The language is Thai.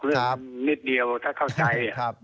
เรื่องนิดเดียวถ้าเข้าใจ